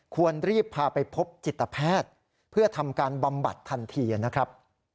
ควรรีบพาไปพบจิตแพทย์เพื่อทำการบำบัดทันทีนะครับ